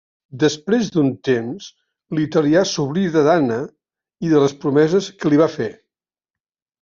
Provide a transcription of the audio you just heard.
Després d'un temps, l'italià s'oblida d'Anna i de les promeses que li va fer.